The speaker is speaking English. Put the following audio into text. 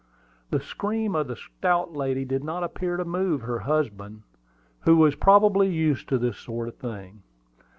The scream of the stout lady did not appear to move her husband, who was probably used to this sort of thing.